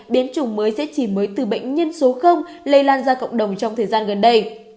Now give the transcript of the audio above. biến chủng mới sẽ chỉ mới từ bệnh nhân số lây lan ra cộng đồng trong thời gian gần đây